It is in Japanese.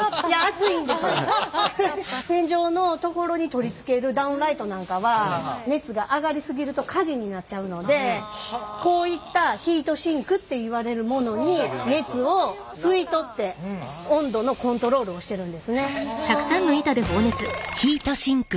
天井のところに取り付けるダウンライトなんかは熱が上がり過ぎると火事になっちゃうのでこういったヒートシンクっていわれるものに熱を吸い取って温度のコントロールをしてるんですね。